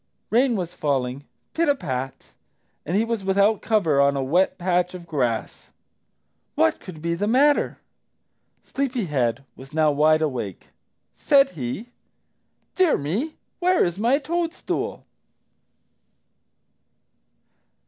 Rain was falling, pit a pat, and he was without cover on a wet patch of grass. What could be the matter? Sleepy head was now wide awake. Said he, "DEAR ME, WHERE IS MY TOADSTOOL?"